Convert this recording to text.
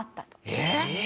えっ！